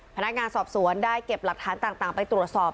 พนักงานสอบสวนได้เก็บหลักฐานต่างไปตรวจสอบ